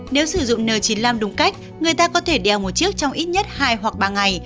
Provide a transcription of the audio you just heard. nếu sử dụng n chín mươi năm đúng cách người ta có thể đeo một chiếc trong ít nhất hai hoặc ba ngày